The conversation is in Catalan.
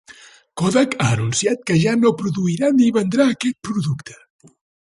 Kodak ha anunciat que ja no produirà ni vendrà aquest producte.